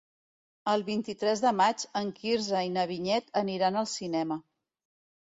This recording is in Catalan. El vint-i-tres de maig en Quirze i na Vinyet aniran al cinema.